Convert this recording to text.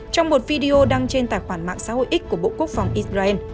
trong một video đăng trên tài khoản mạng xã hội x của bộ quốc phòng israel